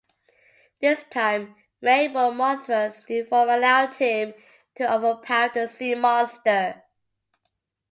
This time Rainbow Mothra's new form allowed him to overpower the sea monster.